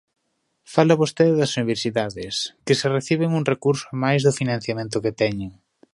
Fala vostede das universidades, que se reciben un recurso amais do financiamento que teñen.